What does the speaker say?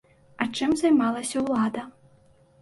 А чым займалася ўлада?